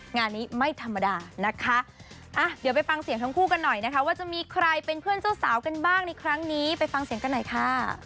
งานนี้ไม่ธรรมดานะคะอ่ะเดี๋ยวไปฟังเสียงทั้งคู่กันหน่อยนะคะว่าจะมีใครเป็นเพื่อนเจ้าสาวกันบ้างในครั้งนี้ไปฟังเสียงกันหน่อยค่ะ